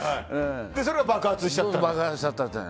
それが爆発しちゃったんだ。